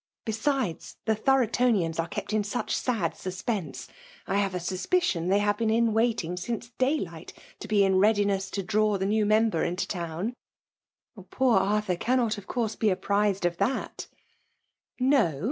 Besides^ i^ Thorotonians are kept in such sad ^usgease ! I have a suspicion they have been in w^axtj^ since daylight to be in readiness to dr«w the new member into town." ',.'' Poor Arthiir cannot, of course, be apprized of that" " No